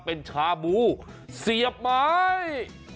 เป็นชาบูเสียบไม้